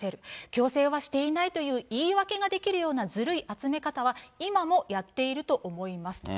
強制はしていないという言い訳ができるようなずるい集め方は、今もやっていると思いますと。